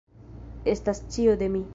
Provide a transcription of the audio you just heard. Estas ĉio de mi!